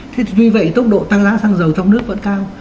thế thì tuy vậy tốc độ tăng giá sang dầu trong nước vẫn cao